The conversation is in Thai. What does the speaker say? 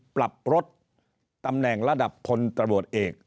ปรับลดตำแหน่งระดับพลตำรวจเอก